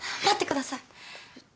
待ってください。